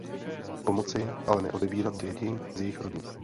Pomoci, ale neodebírat děti z jejich rodin.